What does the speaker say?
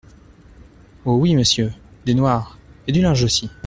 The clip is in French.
Oh ! oui, monsieur ! des noirs… et du linge aussi !…